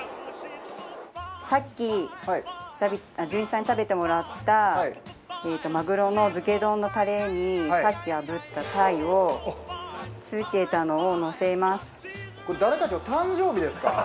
さっきじゅんいちさんに食べてもらったマグロの漬け丼のタレにさっき炙った鯛を漬けたのをのせます。